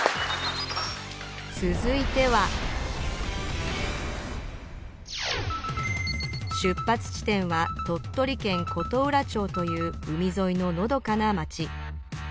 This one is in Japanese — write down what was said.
続いては出発地点は鳥取県琴浦町という海沿いののどかな町